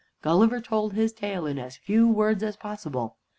Gulliver told his tale in as few words as possible.